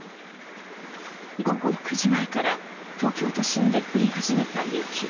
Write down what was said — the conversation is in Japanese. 午後９時前から東京都心で降り始めた雪。